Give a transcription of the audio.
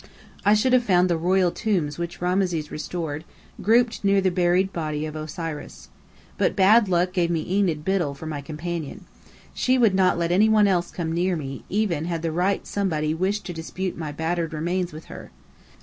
I should have found the Royal tombs which Rameses restored, grouped near the buried body of Osiris. But bad luck gave me Enid Biddell for my companion. She would not let any one else come near me, even had the Right Somebody wished to dispute my battered remains with her.